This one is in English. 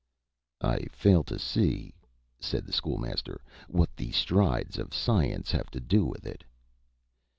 "I fail to see," said the School Master, "what the strides of science have to do with it."